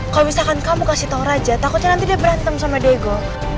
kalau misalkan kamu kasih tau raja takutnya nanti dia berantem sama diego